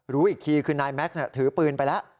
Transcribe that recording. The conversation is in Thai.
รู้อีกทีคือนายแม็กซ์ถือปืนไปแล้ว